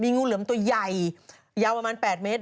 งูเหลือมตัวใหญ่ยาวประมาณ๘เมตร